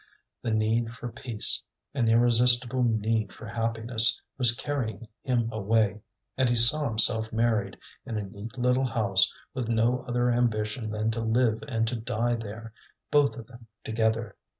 The need for peace, an irresistible need for happiness, was carrying him away; and he saw himself married, in a neat little house, with no other ambition than to live and to die there, both of them together.